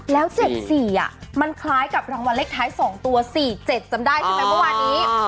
แล้ว๗๔มันคล้ายกับรางวัลเลขท้าย๒ตัว๔๗จำได้ใช่ไหมเมื่อวานนี้